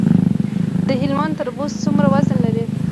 د هلمند تربوز څومره وزن لري؟